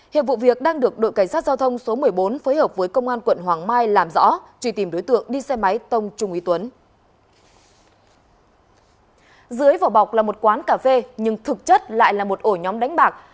hiệp vụ việc đang được đội cảnh sát giao thông số một mươi bốn phối hợp với công an quận hoàng mai làm rõ truy tìm đối tượng đi xe máy tông trung y tuấn